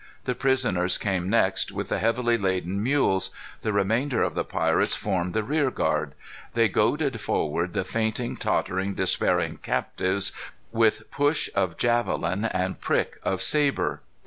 The prisoners came next, with the heavily laden mules. The remainder of the pirates formed the rear guard. They goaded forward the fainting, tottering, despairing captives with push of javelin and prick of sabre.